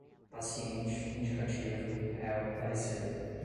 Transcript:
paciente, indicativo, réu, parecer